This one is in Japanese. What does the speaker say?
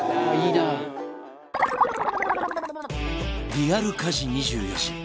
リアル家事２４時